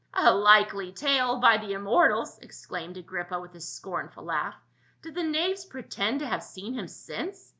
"A likely tale, by the immortals!" exclaimed Agrippa with a scornful laugh. " Do the knaves pre tend to have seen him since?"